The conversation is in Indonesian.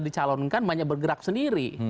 dicalonkan banyak bergerak sendiri